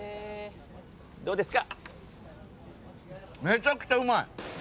どうですか？